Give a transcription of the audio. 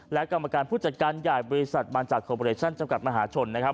และกรรมการผู้จัดการใหญ่บริษัทบางจากโคเบอเรชั่นจำกัดมหาชนนะครับ